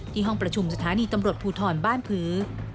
ห้องประชุมสถานีตำรวจภูทรบ้านผือ